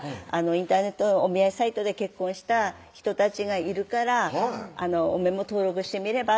「インターネットのお見合いサイトで結婚した人たちがいるからおめぇも登録してみれば？」